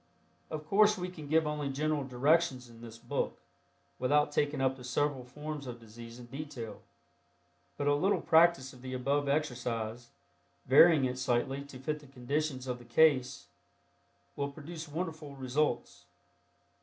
Of course we can give only general directions in this book without taking up the several forms of disease in detail, but a little practice of the above exercise, varying it slightly to fit the conditions of the case, will produce wonderful results.